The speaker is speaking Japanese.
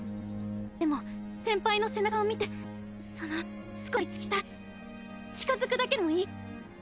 でも先輩の背中を見てその少しでも追いつきたい近づくだけでもいい。